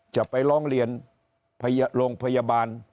จะไปร้องเรียนโรงพยาบาล